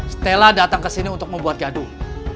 stella datang ke sini untuk membuat gadung